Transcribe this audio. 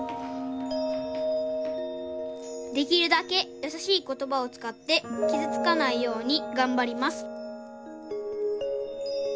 「できるだけ優しい言葉を使ってきずつかないようにがんばります」。